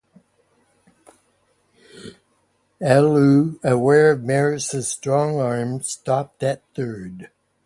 Alou, aware of Maris' strong arm, stopped at third.